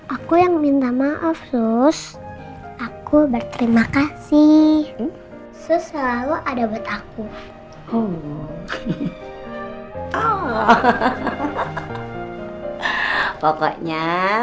aku yang minta maaf sus aku berterima kasih su selalu ada buat aku pokoknya